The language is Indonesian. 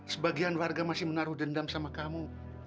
sebagian warga masih menaruh dendam sama kamu